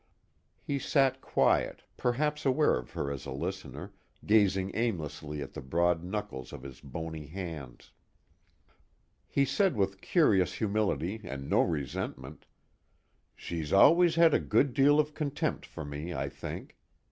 He sat quiet, perhaps aware of her as a listener, gazing aimlessly at the broad knuckles of his bony hands. He said with curious humility and no resentment: "She's always had a good deal of contempt for me, I think.